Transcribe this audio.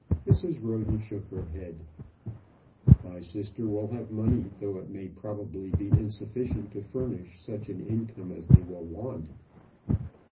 Mrs. Roden shook her head. "My sister will have money, though it may probably be insufficient to furnish such an income as they will want."